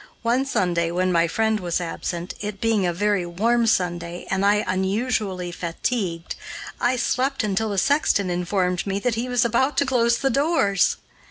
One Sunday, when my friend was absent, it being a very warm day and I unusually fatigued, I slept until the sexton informed me that he was about to close the doors!